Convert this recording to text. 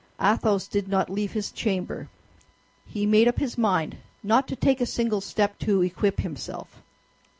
Athos did not leave his chamber; he made up his mind not to take a single step to equip himself.